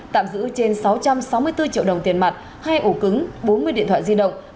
tạm giữ trên sáu trăm sáu mươi bốn triệu đồng tiền mặt hai ổ cứng bốn mươi điện thoại di động